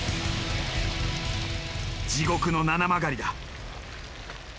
地獄の七曲がりだ。